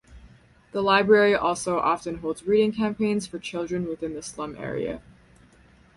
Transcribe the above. The library also often holds reading campaigns for children within the slum area.